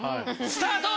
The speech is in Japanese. スタート！